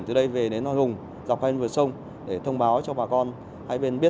thủy điện thác bà thuộc huyện yên bái